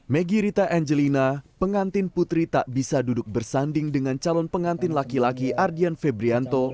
megirita angelina pengantin putri tak bisa duduk bersanding dengan calon pengantin laki laki ardian febrianto